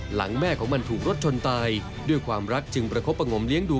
หลังแม่ของมันถูกรถชนตายด้วยความรักจึงประคบประงมเลี้ยงดู